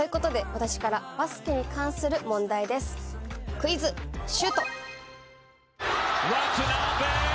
クイズシュート！